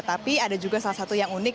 tapi ada juga salah satu yang unik